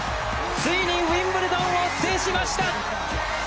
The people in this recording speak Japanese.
ついに、ウィンブルドンを制しました！